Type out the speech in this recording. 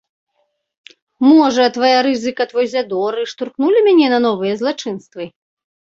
Можа, твая рызыка, твой задор і штурхнулі мяне на новыя злачынствы?